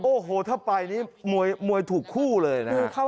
โอ้โหถ้าไปนี่มวยถูกคู่เลยนะ